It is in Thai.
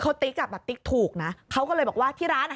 เค้าติ๊กอะแบบติ๊กถูกนะเค้าก็เลยบอกที่ร้านน่ะ